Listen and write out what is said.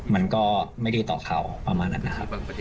มันก็ไม่ดีต่อเขาประมาณนั้นนะครับ